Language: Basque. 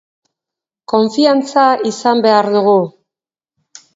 Konfiantza izan behar dugu.